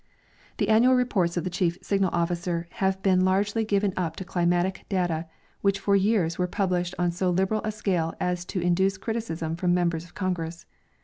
The annual reports of the Chief Signal officer have been largely given up to climatic data, which for years were published on so liberal a scale as to induce criticism from members of Congress.